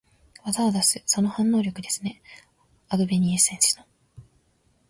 技を出す、その反応力ですね、アグベニュー選手の。